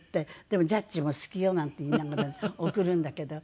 「でもジャッジも好きよ」なんて言いながらね送るんだけど。